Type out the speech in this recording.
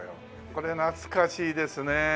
これ懐かしいですね。